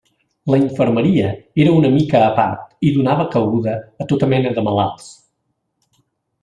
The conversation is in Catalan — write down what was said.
La infermeria era una mica a part i donava cabuda a tota mena de malalts.